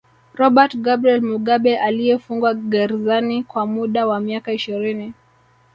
Robert Gabriel Mugabe aliyefungwa gerzani kwa muda wa miaka ishirini